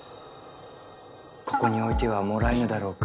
ここに置いてはもらえぬだろうか。